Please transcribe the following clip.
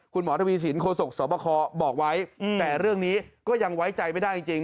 คุณหมอทวีสินโฆษกสวบคบอกไว้แต่เรื่องนี้ก็ยังไว้ใจไม่ได้จริง